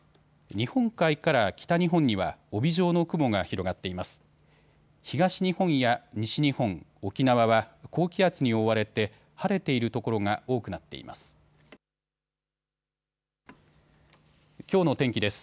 日本海から北日本には帯状の雲が広がっています。